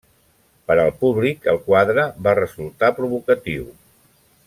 Per al públic el quadre va resultar provocatiu.